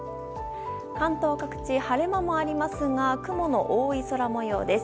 関東各地、晴れ間もありますが雲の多い空模様です。